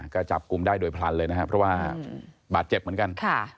ก็จับกลุ่มได้โดยพลันเลยนะครับเพราะว่าบาดเจ็บเหมือนกัน